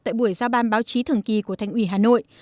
tại buổi giao ban báo chí thường kỳ của thành ủy hà nội